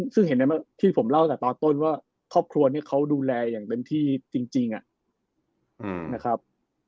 ซึ่งเห็นที่ผมเล่าตั้งแต่ตอนต้นว่าครอบครัวเนี่ยเขาดูแลอย่างเต็มที่จริงนะครับ